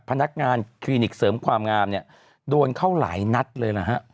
พนักงานคลินิกเสริมความงามเนี่ยโดนเข้าหลายนัดเลยนะฮะ